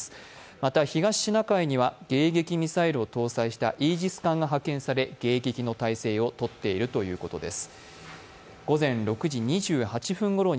また東シナ海には迎撃ミサイルを搭載したイージス艦が派遣され迎撃の態勢をとっているということです。